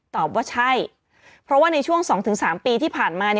ตอบว่าใช่เพราะว่าในช่วง๒๓ปีที่ผ่านมา